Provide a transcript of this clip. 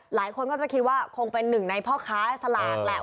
หลายคนก็จะคิดว่าคงเป็นหนึ่งในพ่อค้าสลากแหละ